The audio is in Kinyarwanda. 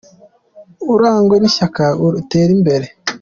Urangwe n’ishyaka, utere imbere